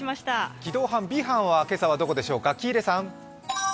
機動班Ｂ班は今朝はどこでしょうか？